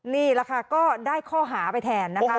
นี่แหละค่ะก็ได้ข้อหาไปแทนนะคะ